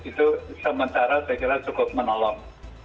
itu sementara saya kira cukup menolong